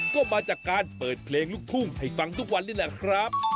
ก็มาจากการเปิดเพลงลูกทุ่งให้ฟังทุกวันนี่แหละครับ